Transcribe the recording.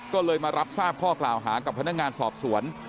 ก็เลยมารับทราบข้อกล่าวหากับพนักงานสอบสวน